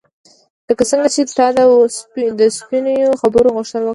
لکه څنګه چې تا د سپینو خبرو غوښتنه وکړه.